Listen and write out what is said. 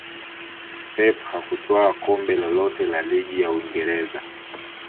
pep hakutwaa kombe lolote la ligi ya uingereza